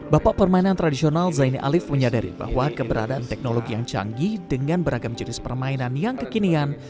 bapak permainan tradisional zaini alif menyadari bahwa keberadaan teknologi yang canggih dengan beragam jenis permainan yang kekinian